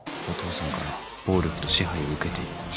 「お父さんから暴力と支配を受けている」